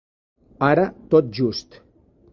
Ara tot just.